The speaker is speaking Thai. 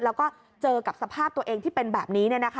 แล้วก็เจอกับสภาพตัวเองที่เป็นแบบนี้